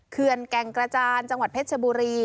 เขื่อนแก่งกระจานจังหวัดเพชรชบุรี